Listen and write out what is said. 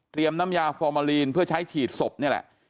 เตรียมน้ำยาฟอร์เมอรินเพื่อใช้ฉีดศพเนี่ยแหละ